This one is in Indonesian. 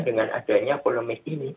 dengan adanya polemik ini